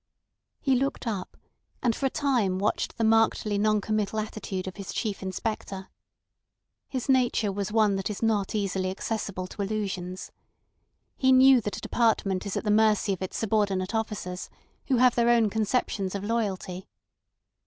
He looked up, and for a time watched the markedly non committal attitude of his Chief Inspector. His nature was one that is not easily accessible to illusions. He knew that a department is at the mercy of its subordinate officers, who have their own conceptions of loyalty.